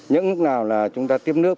những lúc nào chúng ta tiếp nước